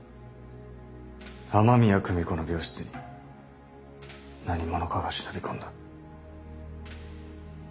雨宮久美子の病室に何者かが忍び込んだ。